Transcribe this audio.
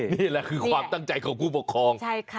นี่แหละคือความตั้งใจของผู้ปกครอง